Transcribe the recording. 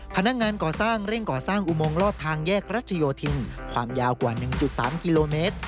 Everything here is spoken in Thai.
พนักงานก่อสร้างเร่งก่อสร้างอุโมงรอบทางแยกรัชโยธินความยาวกว่า๑๓กิโลเมตร